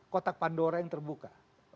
kotak pandora yang terbuka